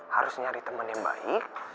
harus nyari teman yang baik